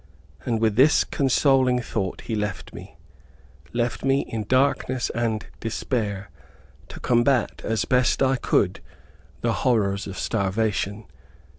And with this consoling thought he left me left me in darkness and despair, to combat, as best I could, the horrors of starvation.